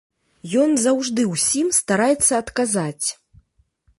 Ён заўжды ўсім стараецца адказаць.